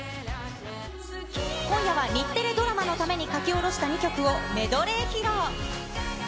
今夜は、日テレドラマのために書き下ろした２曲を、メドレー披露。